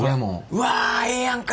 うわええやんか。